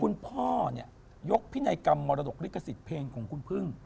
คุณพ่อยกพินัยกรรมลิกสิทธิ์เพลงของคุณพึ่ง